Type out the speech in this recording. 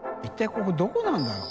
ここどこなんだろう？